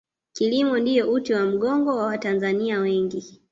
kilimo ndiyo uti wa mgongo wa watanzania wengi